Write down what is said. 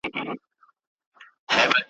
هر یو مي د زړه په خزانه کي دی منلی ,